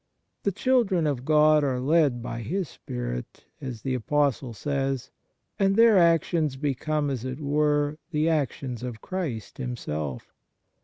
The children of God are led by His Spirit, as the Apostle says, and their actions become, as it were, the actions of Christ Himself.